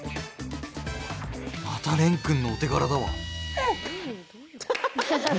また、蓮君のお手柄だわ。